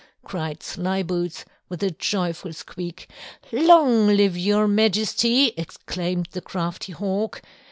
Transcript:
cried Slyboots with a joyful squeak. "Long live your Majesty!" exclaimed the crafty Hawk.